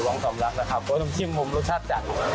ร้องสำรับนะครับกำจิ้มรสชาติจัด